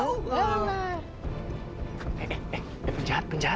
eh penjahat penjahat